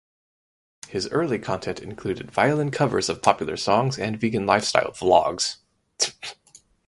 His early content included violin covers of popular songs and vegan lifestyle vlogs.